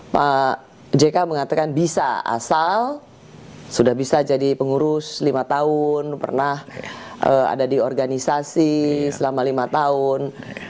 pak jk mengatakan bisa asal sudah bisa jadi pengurus lima tahun pernah ada di organisasi selama lima tahun